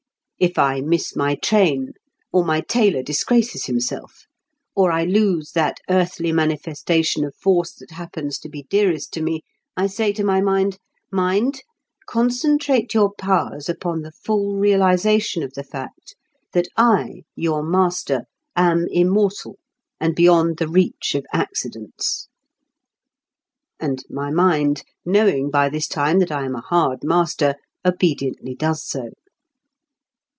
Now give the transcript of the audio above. If I miss my train, or my tailor disgraces himself, or I lose that earthly manifestation of Force that happens to be dearest to me, I say to my mind: "Mind, concentrate your powers upon the full realization of the fact that I, your master, am immortal and beyond the reach of accidents." And my mind, knowing by this time that I am a hard master, obediently does so.